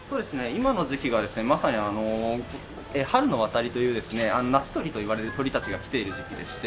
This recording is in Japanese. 今の時期がですねまさにあの春の渡りというですね「夏鳥」と言われる鳥たちが来ている時期でして。